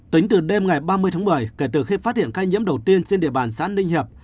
tính từ đêm ngày ba mươi tháng một mươi kể từ khi phát hiện ca nhiễm đầu tiên trên địa bàn xã ninh hiệp